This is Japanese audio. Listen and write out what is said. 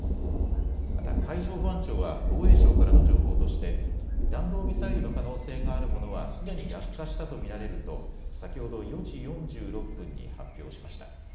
また、海上保安庁は防衛省からの情報として、弾道ミサイルの可能性があるものはすでに落下したと見られると、先ほど４時４６分に発表しました。